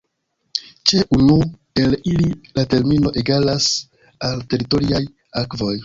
Ĉe unu el ili la termino egalas al teritoriaj akvoj.